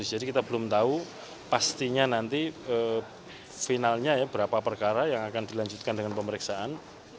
jadi kita belum tahu pastinya nanti finalnya ya berapa perkara yang akan dilanjutkan dengan pemeriksaan